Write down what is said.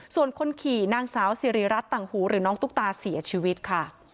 ส่วนคนขี่นางสาวสิริรัตนต่างหูหรือน้องตุ๊กตาเสียชีวิตค่ะ